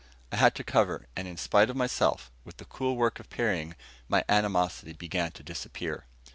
I had to cover, and in spite of myself, with the cool work of parrying, my animosity began to disappear.